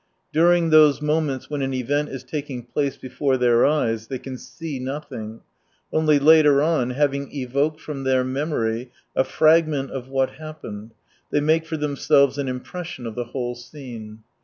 During those moments when an event is taking place before their eyes, they can see nothing, only later on, having evoked from their memory a frag ment of what happened, they make for themselves an impression of the whole scene.